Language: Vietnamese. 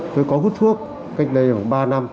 tôi có hút thuốc cách đây khoảng ba năm